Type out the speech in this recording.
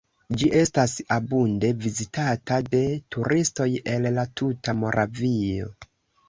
Ĝi estas abunde vizitata de turistoj el la tuta Moravio.